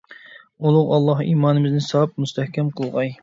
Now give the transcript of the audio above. ئۇلۇغ ئاللاھ ئىمانىمىزنى ساپ، مۇستەھكەم قىلغاي!